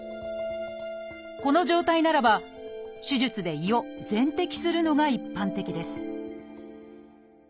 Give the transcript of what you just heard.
この状態ならば手術で胃を全摘するのが一般的です